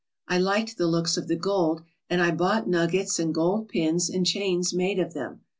I liked the looks of the gold and I bought nuggets and gold pins and chains made of them.